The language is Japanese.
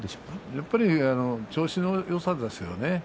やっぱり調子のよさでしょうね。